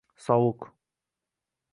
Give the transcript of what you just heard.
Sovuq